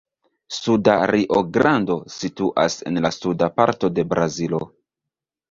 Suda Rio-Grando situas en la suda parto de Brazilo.